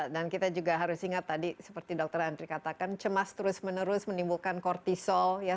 dan kita juga harus ingat tadi seperti dokter andri katakan cemas terus menerus menimbulkan kortisol ya